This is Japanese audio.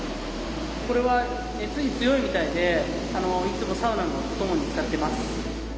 これは熱に強いみたいでいつもサウナのお供に使ってます。